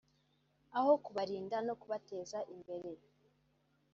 aho kubarinda no kubateza imbere